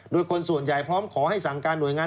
โดยคนส่วนใหญ่พร้อมขอให้สั่งการหน่วยงาน